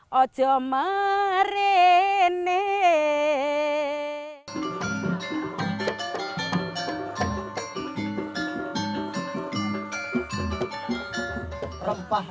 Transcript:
waktunya itu pertumbuhan